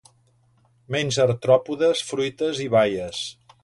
Menja artròpodes, fruites i baies.